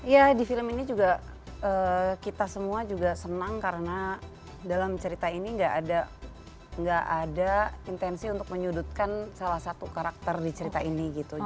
ya di film ini juga kita semua juga senang karena dalam cerita ini gak ada intensi untuk menyudutkan salah satu karakter di cerita ini gitu